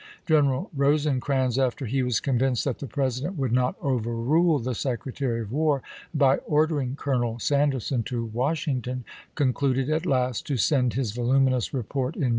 General Rosecrans, after he was convinced that the President would not overrule the Secretary of War by ordering Colonel Sanderson to Washington, concluded at last to send his voluminous report in i864.